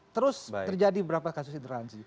terus terjadi beberapa kasus intoleransi